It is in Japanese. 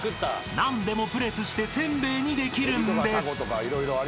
［何でもプレスして煎餅にできるんです］